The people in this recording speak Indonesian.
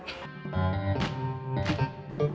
iya bang ustadz aneh minta maaf